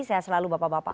saya selalu bapak bapak